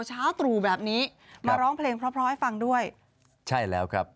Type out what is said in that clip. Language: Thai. เช้าตรู่แบบนี้มาร้องเพลงเพราะเพราะให้ฟังด้วยใช่แล้วครับ